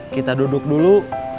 kita duduk dulu